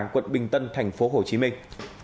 quận bình tân thành phố hồ chí minh